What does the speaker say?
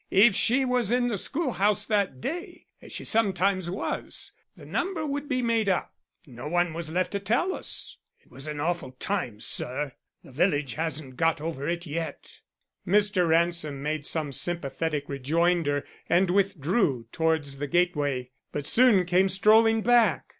If she was in the schoolhouse that day, as she sometimes was, the number would be made up. No one was left to tell us. It was an awful time, sir. The village hasn't got over it yet." Mr. Ransom made some sympathetic rejoinder and withdrew towards the gateway, but soon came strolling back.